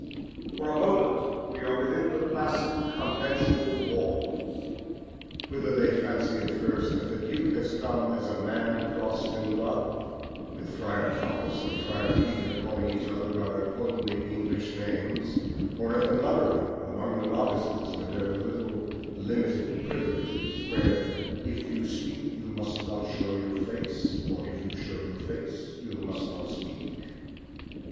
For a moment we are within the placid conventual walls, whither they fancy at first that the Duke has come as a man crossed in love, with Friar Thomas and Friar Peter, calling each other by their homely, English names, or at the nunnery among the novices, with their little limited privileges, where If you speak you must not show your face, Or if you show your face you must not speak.